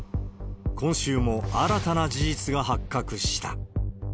今週も新たな事実が発覚した。